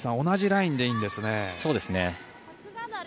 同じラインでいいんですね。